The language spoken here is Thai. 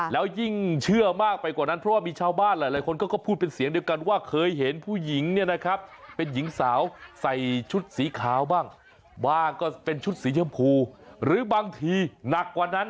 แล้วยิ่งเชื่อมากไปกว่านั้นเพราะว่ามีชาวบ้านหลายคนก็พูดเป็นเสียงเดียวกันว่าเคยเห็นผู้หญิงเนี่ยนะครับเป็นหญิงสาวใส่ชุดสีขาวบ้างบ้างก็เป็นชุดสีชมพูหรือบางทีหนักกว่านั้น